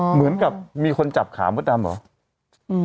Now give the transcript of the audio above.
เหมือนกับมีคนจับวิทยาลังค์ขาวมดดำหรอ